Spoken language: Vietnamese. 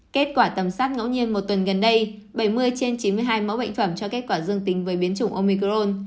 kết quả tầm soát ngẫu nhiên một tuần gần đây bảy mươi trên chín mươi hai mẫu bệnh phẩm cho kết quả dương tính với biến chủng omicron